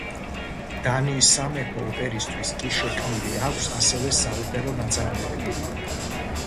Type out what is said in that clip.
დანიის სამეფო ოპერისთვის კი შექმნილი აქვს ასევე საოპერო ნაწარმოები.